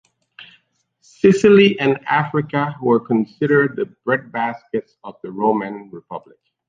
Sicily and Africa were considered the breadbaskets of the Roman Republic.